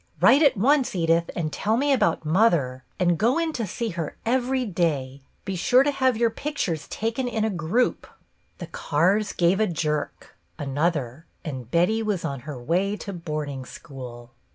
Write at once, Edith, and tell me about mother, and go in to see her every day. Be sure to have your pictures taken in a group." ' 40 BETTY BAIRD The cars gave a jerk — another — and Betty was on her way to boarding school.